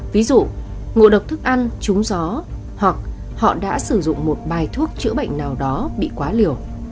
ví dụ ngộ độc thức ăn trúng gió hoặc họ đã sử dụng một bài thuốc chữa bệnh nào đó bị quá liều